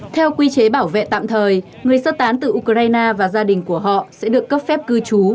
theo quy chế bảo vệ tạm thời người sơ tán từ ukraine và gia đình của họ sẽ được cấp phép cư trú